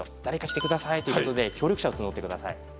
「誰か来て下さい」ということで協力者を募って下さい。